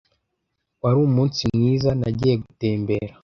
Wari umunsi mwiza, nagiye gutembera.